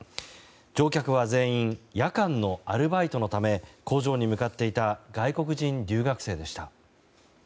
乗客は全員夜間のアルバイトのため工場に向かっていた外国人留学生でした。